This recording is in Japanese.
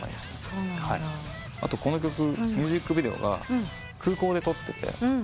この曲ミュージックビデオが空港で撮ってて。